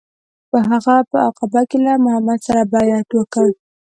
هغه په عقبه کې له محمد سره بیعت وکړ.